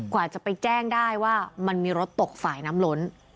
กว่าจะไปแจ้งได้ว่ามันมีรถตกฝ่ายน้ำล้น